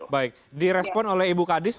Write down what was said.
baik direspon oleh ibu kadis